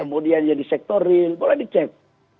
kemudian jadi sektor real boleh dicek